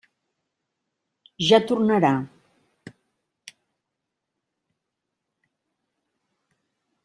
Ja tornarà.